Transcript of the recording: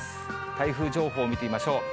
台風情報見てみましょう。